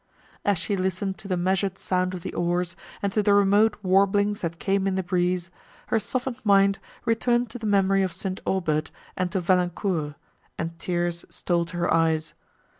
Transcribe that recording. As she listened to the measured sound of the oars, and to the remote warblings that came in the breeze, her softened mind returned to the memory of St. Aubert and to Valancourt, and tears stole to her eyes.